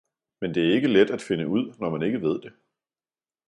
men det er ikke let at finde ud, når man ikke ved det!